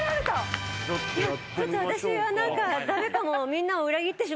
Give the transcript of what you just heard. ちょっと私はなんかダメかも。